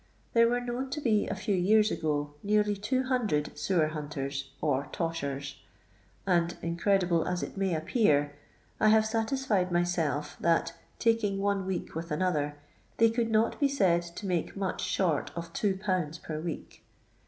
There were known to be a few years ago ncarlv 200 sewer hunters, or " toshers," and, incredible as it may appear, I have satisfied myself that, taking one week with another, they could not be said to make much short of 21. per week.